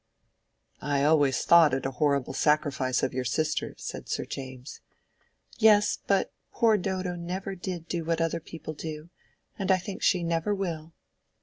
"I always thought it a horrible sacrifice of your sister," said Sir James. "Yes. But poor Dodo never did do what other people do, and I think she never will."